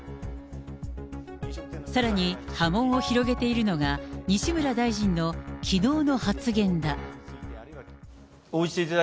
さらに、波紋を広げているのが、西村大臣のきのうの発言だ。